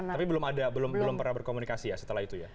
tapi belum ada belum pernah berkomunikasi ya setelah itu ya